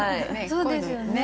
そうですよね。